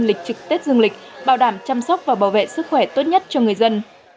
lịch trực tết dương lịch bảo đảm chăm sóc và bảo vệ sức khỏe tốt nhất cho người dân